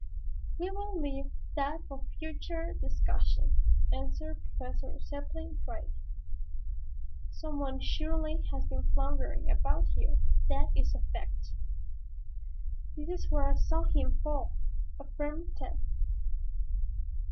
"We will leave that for future discussion," answered Professor Zepplin dryly. "Someone surely has been floundering about here, that is a fact." "This is where I saw him fall," affirmed Tad.